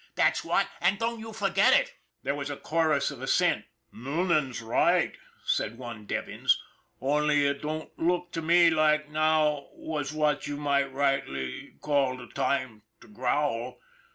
That's what, and don't you forget it !" There was a chorus of assent. " Noonan's right," said one Devins, " only it don't look to me like now was what you might rightly call the time to growl.